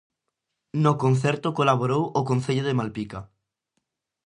No concerto colaborou o Concello de Malpica.